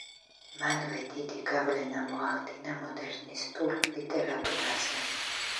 მანვე დიდი გავლენა მოახდინა მოდერნისტულ ლიტერატურაზე.